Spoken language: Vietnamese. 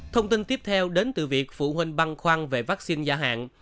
thông tin tiếp theo đến từ việc phụ huynh băng khoăn về vaccine gia hạn